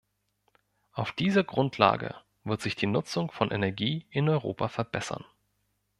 Auf dieser Grundlage wird sich die Nutzung von Energie in Europa verbessern.